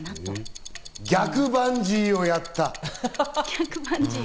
逆バンジーをやった。